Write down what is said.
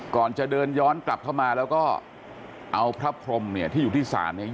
ก่อนจะเดินย้อนกลับเข้ามาแล้วก็เอาพระพรมเนี่ยที่อยู่ที่ศาลเนี่ย